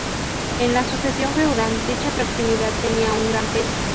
En la sucesión feudal, dicha proximidad tenía un gran peso.